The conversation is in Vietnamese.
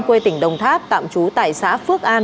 quê tỉnh đồng tháp tạm trú tại xã phước an